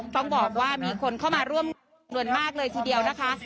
ต้องบอกว่ามีคนเข้ามาร่วมนวลมากเลยทีเดียวนะคะ